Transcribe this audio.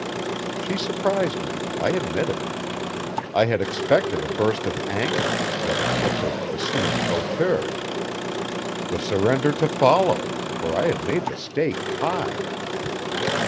She surprised me; I admit it. I had expected a burst of anger, with a touch of assumed hauteur; the surrender to follow, for I had made the stake high.